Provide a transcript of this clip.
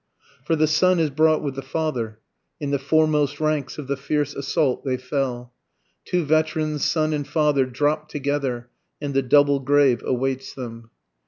For the son is brought with the father, (In the foremost ranks of the fierce assault they fell, Two veterans son and father dropt together, And the double grave awaits them.)